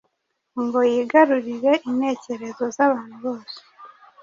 ngo yigarurire intekerezo z’abantu bose